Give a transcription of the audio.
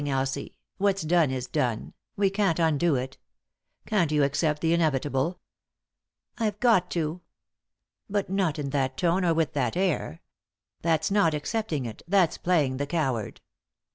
Elsie, what's done's done ; we can't undo it. Can't you accept the inevitable ?"" I've got to." " But not in that tone, or with that air. That's not accepting it, that's playing the coward."